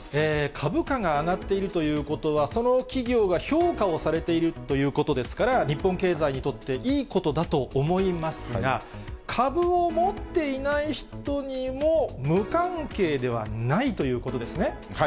株価が上がっているということは、その企業が評価をされているということですから、日本経済にとっていいことだと思いますが、株を持っていない人にも、無関係ではないということですね。